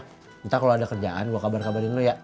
kita kalau ada kerjaan gue kabar kabarin lo ya